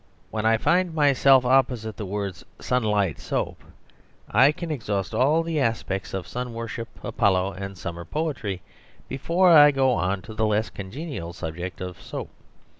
When I find myself opposite the words "Sunlight Soap" I can exhaust all the aspects of Sun Worship, Apollo, and Summer poetry before I go on to the less congenial subject of soap.